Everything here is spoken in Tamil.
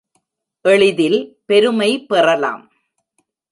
எளிதில் பெருமை பெறலாம்.